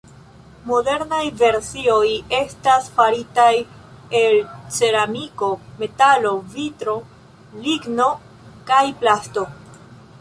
Modernaj versioj estas faritaj el ceramiko, metalo, vitro, ligno kaj plasto.